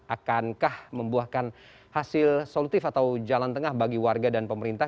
akankah membuahkan hasil solutif atau jalan tengah bagi warga dan pemerintah